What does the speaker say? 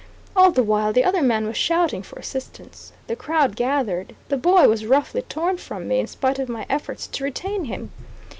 All the while the other man was shouting for assistance. The crowd gathered. The boy was roughly torn from me, in spite of my efforts to retain him.